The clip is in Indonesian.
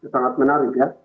sangat menarik ya